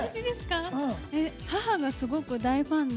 母がすごく大ファンで